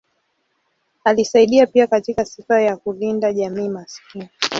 Alisaidia pia katika sifa ya kulinda jamii maskini.